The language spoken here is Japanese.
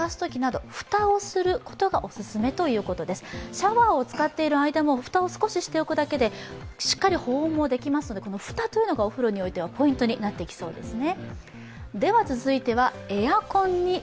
シャワーを使っている間も蓋を少ししておくだけでしっかり保温もできますので蓋というのがお風呂においてはポイントになってきそうですね。